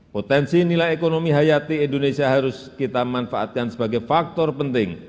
potensi nilai ekonomi hayati indonesia harus kita manfaatkan sebagai faktor penting